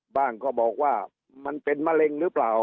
ก็บอกว่ามันเป็นมะเร็งหรือเปล่า